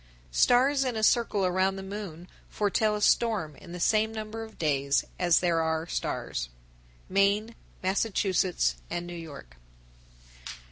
1070. Stars in a circle around the moon foretell a storm in the same number of days as there are stars. _Maine, Massachusetts, and New York.